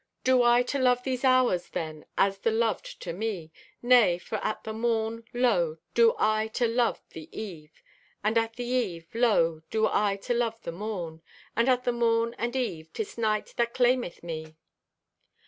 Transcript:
Do I to love these hours, then, As the loved o' me? Nay, for at the morn, Lo, do I to love the eve! And at the eve, Lo, do I to love the morn! And at the morn and eve, 'Tis night that claimeth me.